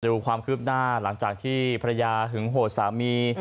ดูความคืบหน้าหลังจากที่ภรรยาหึงโหดสามี